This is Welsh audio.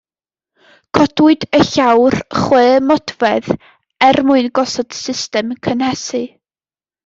Codwyd y llawr chwe modfedd er mwyn gosod system gynhesu.